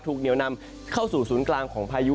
เหนียวนำเข้าสู่ศูนย์กลางของพายุ